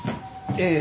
ええ。